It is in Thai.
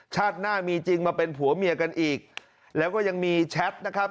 ชาติหน้ามีจริงมาเป็นผัวเมียกันอีกแล้วก็ยังมีแชทนะครับ